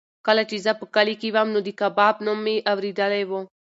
کله چې زه په کلي کې وم نو د کباب نوم مې اورېدلی و.